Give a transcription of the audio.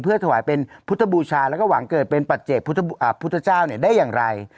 ถวายเป็นพุทธบูชาแล้วก็หวังเกิดเป็นปัจเจกพุทธเจ้าได้อย่างไร